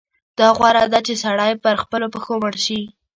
دا غوره ده چې سړی پر خپلو پښو مړ شي.